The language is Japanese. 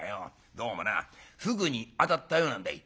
どうもなふぐにあたったようなんだい」。